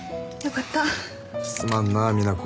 すまんな美奈子。